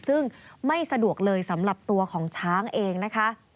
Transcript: ซึ่งไม่สะดวกเลยสำหรับตัวของช้างเองนะคะ